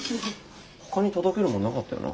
ほかに届けるもんなかったよな？